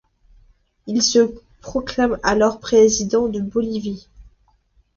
Il se proclame alors président de Bolivie.